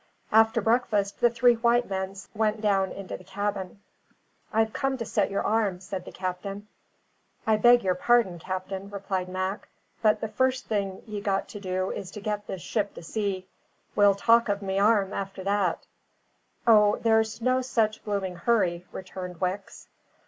After breakfast, the three white men went down into the cabin. "I've come to set your arm," said the captain. "I beg your pardon, captain," replied Mac; "but the firrst thing ye got to do is to get this ship to sea. We'll talk of me arrum after that." "O, there's no such blooming hurry," returned Wicks.